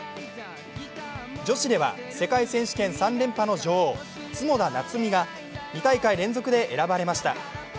女子では世界選手権３連覇の女王、角田夏実が２大会連続で選ばれました。